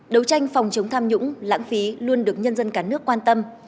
đấu tranh phòng chống tham nhũng lãng phí luôn được nhân dân cả nước quan tâm